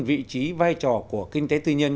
vị trí vai trò của kinh tế tư nhân